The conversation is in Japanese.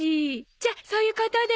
じゃそういうことで！